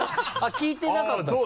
聞いてなかったですか？